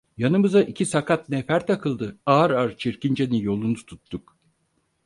Yanımıza iki sakat nefer takıldı, ağır ağır Çirkince'nin yolunu tuttuk.